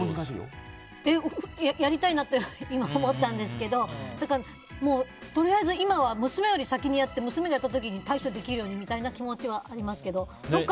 やりたいなって今、思ったんですけどとりあえず今は娘より先にやって娘がやった時に対処できるようにみたいな気持ちはありますけど。